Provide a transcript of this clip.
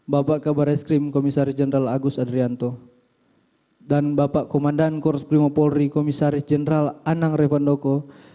bapak kabar eskrim komisaris jenderal agus adrianto dan bapak komandan kors primo polri komisaris jenderal anang revandoko